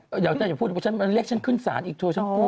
เดี๋ยวจะพูดมันเรียกฉันขึ้นศาลอีกทั่วฉันกลัว